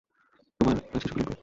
তোমার কাছে শুধু লিংকন।